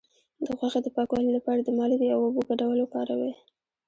د غوښې د پاکوالي لپاره د مالګې او اوبو ګډول وکاروئ